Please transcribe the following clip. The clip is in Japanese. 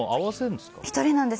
１人なんです。